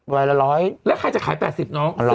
วันละ๑๐๐แล้วใครจะขาย๘๐น้อง